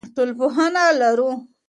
ټولنپوهنه لرو.